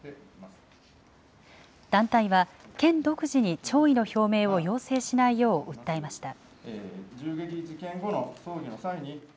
団体は、県独自に弔意の表明を要請しないよう訴えました。